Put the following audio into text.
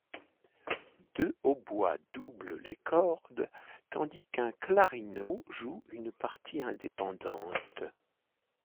Deux hautbois doublent les cordes tandis qu'un clarino joue une partie indépendante.